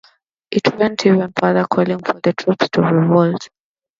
It went even further, calling for the troops to revolt.